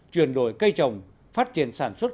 chuyển đổi cây trồng phát triển sản xuất